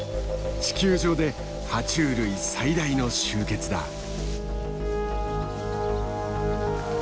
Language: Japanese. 地球上では虫類最大の集結だ。